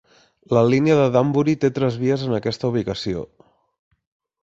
La línia de Danbury té tres vies en aquesta ubicació.